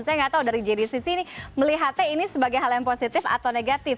saya nggak tahu dari jdcc ini melihatnya ini sebagai hal yang positif atau negatif